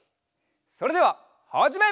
それでははじめ！